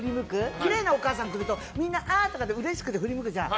きれいなお母さんが来るとあ！ってうれしくて振り向くじゃん。